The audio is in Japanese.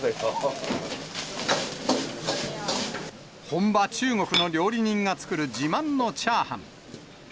本場中国の料理人が作る自慢のチャーハン。